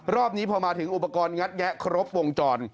รอบนี้พอมาถึงอุปกรณ์งัดแงะครบวงจร